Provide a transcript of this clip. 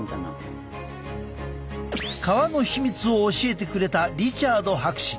革の秘密を教えてくれたリチャード博士。